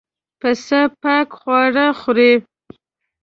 پسه پاک خواړه خوري.